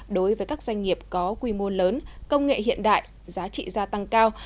đối với các doanh nghiệp có quy mô lớn công nghệ hiện đại giá trị gia tăng cao